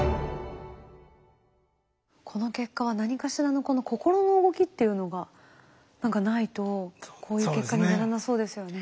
この結果は何かしらのこの心の動きっていうのが何かないとこういう結果にならなそうですよね。